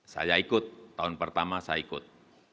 saya ikut tahun pertama saya ikut